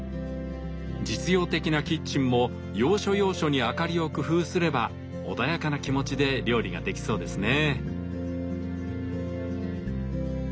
実用的なキッチンも要所要所にあかりを工夫すれば穏やかな気持ちで料理ができそうですね。